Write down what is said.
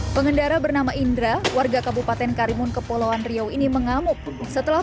pengendara bernama indra warga kabupaten karimun kepulauan riau ini mengamuk setelah